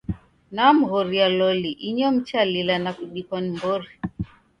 Namghoria loli, inyo mchalila na kudikwa ni mbori.